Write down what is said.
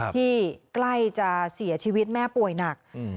ที่ใกล้จะเสียชีวิตแม่ป่วยหนัก